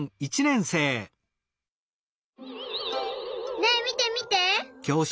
ねえみてみて！